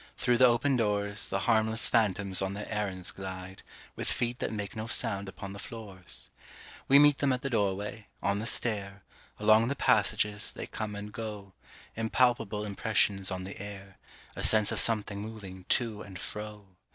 Through the open doors The harmless phantoms on their errands glide, With feet that make no sound upon the floors. We meet them at the doorway, on the stair, Along the passages they come and go, Impalpable impressions on the air, A sense of something moving to and fro.